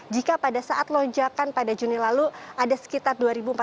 jika pada saat lonjakan pada juni lalu ada sekitar dua empat ratus delapan belas